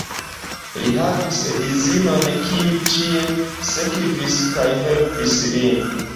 Li havis edzinon, kiu ĉie sekvis kaj helpis lin.